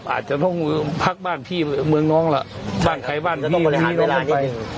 อาจจะต้องพักบ้านพี่เมืองน้องล่ะบ้านใครบ้านพี่น้องเข้าไปอ๋อ